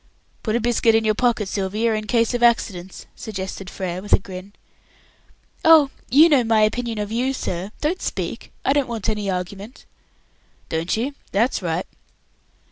"Put a biscuit in your pocket, Sylvia, in case of accidents," suggested Frere, with a grin. "Oh! you know my opinion of you, sir. Don't speak; I don't want any argument". "Don't you? that's right."